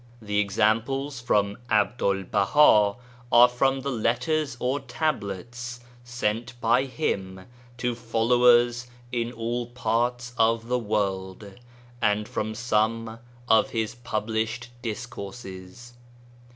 The examples from Abdul Baha are from letters or Tablets sent by him to followers in all parts of the world, and from some of his published Discourses.